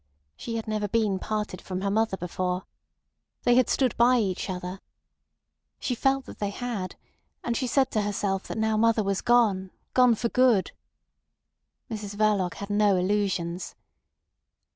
She had never been parted from her mother before. They had stood by each other. She felt that they had, and she said to herself that now mother was gone—gone for good. Mrs Verloc had no illusions.